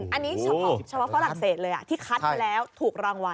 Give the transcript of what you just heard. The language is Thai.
อันนี้เฉพาะฝรั่งเศสเลยที่คัดมาแล้วถูกรางวัล